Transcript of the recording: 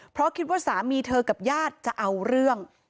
เพราะคิดว่าสามีเธอกับญาติจะเอาเรื่อง